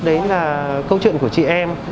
đấy là câu chuyện của chị em